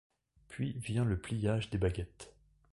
Puis vient le pliage des baguettes.